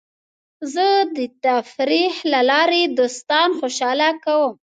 زه د تفریح له لارې دوستان خوشحاله کوم.